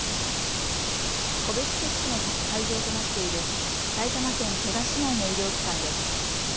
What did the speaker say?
個別接種の会場となっている埼玉県戸田市内の医療機関です。